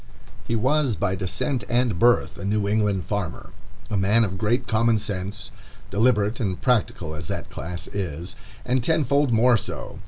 He was by descent and birth a New England farmer, a man of great common sense, deliberate and practical as that class is, and tenfold more so.